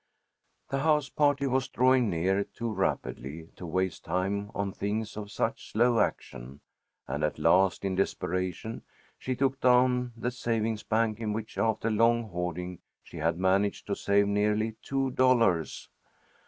The house party was drawing near too rapidly to waste time on things of such slow action, and at last, in desperation, she took down the savings bank in which, after long hoarding, she had managed to save nearly two dollars.